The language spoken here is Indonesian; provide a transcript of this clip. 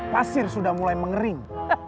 pasir sudah mulai mengering